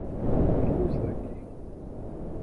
Nelluẓ dagi.